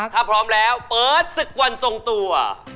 ถ้าพร้อมแล้วเปิดศึกวันทรงตัว